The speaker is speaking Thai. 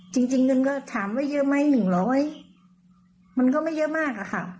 จริงจริงฉันก็ถามว่าเยอะไหมหนึ่งร้อยมันก็ไม่เยอะมากอ่ะค่ะ